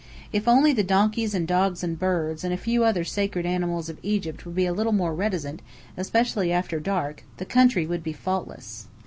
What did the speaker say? If only the donkeys and dogs and birds and a few other sacred animals of Egypt would be a little more reticent, especially after dark, the country would be faultless.